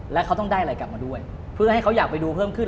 แล้วเขาต้องได้อะไรกลับมาด้วยเพื่อให้เขาอยากไปดูเพิ่มขึ้น